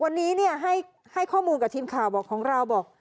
วันนี้ให้ข้อมูลกับทีมข่าวบอกของเราบอก